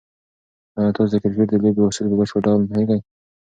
آیا تاسو د کرکټ د لوبې اصول په بشپړ ډول پوهېږئ؟